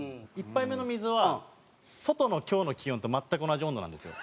１杯目の水は外の今日の気温と全く同じ温度なんですよ。